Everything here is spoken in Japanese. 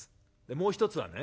もう一つはね